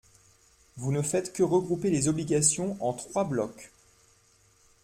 Vous ne faites que regrouper les obligations en trois blocs.